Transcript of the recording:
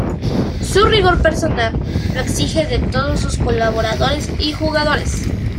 Su rigor personal, lo exige de todos sus colaboradores y jugadores.